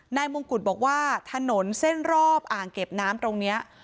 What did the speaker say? มงกุฎบอกว่าถนนเส้นรอบอ่างเก็บน้ำตรงนี้